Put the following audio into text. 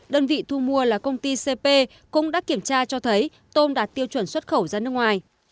đơn vị thu mua là công ty cp cũng đã kiểm tra cho thấy tôm đạt tiêu chuẩn xuất khẩu ra nước ngoài